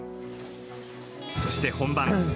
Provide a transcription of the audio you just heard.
そして、本番。